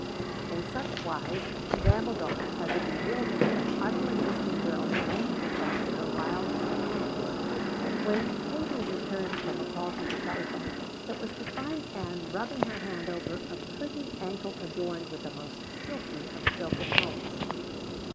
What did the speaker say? In such wise she rambled on as a bewildered but unresisting girl surrendered herself to her wiles and hands. When Katie returned from a call to the telephone it was to find Ann rubbing her hand over a pretty ankle adorned with the most silky of silken hose.